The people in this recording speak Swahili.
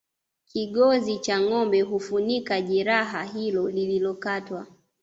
kigozi cha ngombe hufunika jeraha hilo lililokatwa